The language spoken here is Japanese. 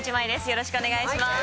よろしくお願いします。